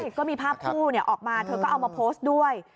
ก็มีภาพคู่ออกมาเธอก็เอามาโพสต์ด้วย